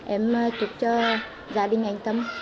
em chúc cho gia đình anh tâm